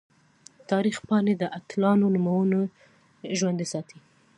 د تاریخ پاڼې د اتلانو نومونه ژوندۍ ساتي.